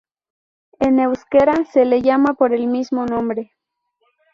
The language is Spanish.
En euskera se le llama por el mismo nombre.